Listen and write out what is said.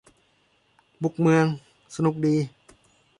บุกเมือง สนุกสิ